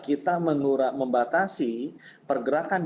kita membatasi pergerakan